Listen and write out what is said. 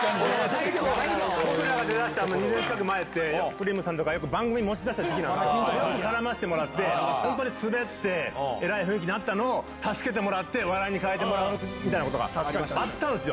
僕らが出だした２０年近く前って、くりーむさんとか、よく番組持ち出したときなんですよ、よく絡ませてもらって、本当に滑って、えらい雰囲気になったのを助けてもらって、笑いに変えてもらうみたいなことがあったんですよ。